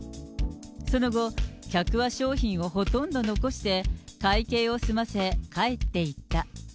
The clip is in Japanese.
その後、客は商品をほとんど残して会計を済ませ、帰っていった。